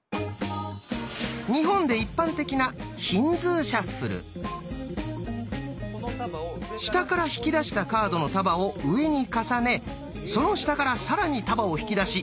日本で一般的な下から引き出したカードの束を上に重ねその下から更に束を引き出し上に重ねる。